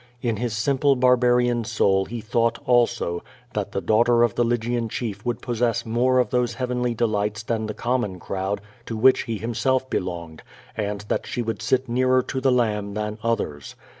In his simple barbarian soul he thought, also, that the daughter of the Lygian chief would possess more of those heavenly delights than the com mon crowd to which he himself belonged, and that she would sit nearer to the Lamb than others.